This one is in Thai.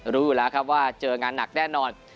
รู้อยู่แล้วครับว่าเจองานหนักแน่นอน